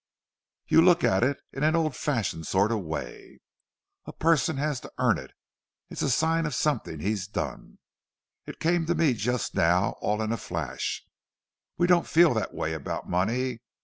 "You look at it in an old fashioned sort of way—a person has to earn it—it's a sign of something he's done. It came to me just now, all in a flash—we don't feel that way about money.